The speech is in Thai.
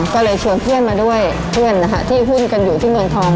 ก็เลยชวนเพื่อนมาด้วยเพื่อนนะคะที่หุ้นกันอยู่ที่เมืองทอง